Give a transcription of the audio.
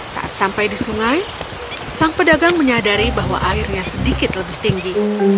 saat sampai di sungai sang pedagang menyadari bahwa airnya sedikit lebih tinggi